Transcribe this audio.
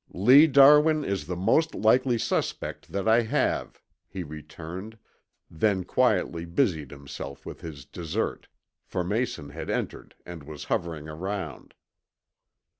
"Lee Darwin is the most likely suspect that I have," he returned, then quietly busied himself with his dessert, for Mason had entered and was hovering around.